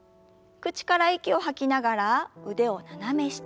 口から息を吐きながら腕を斜め下。